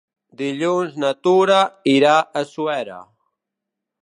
Dilluns na Tura irà a Suera.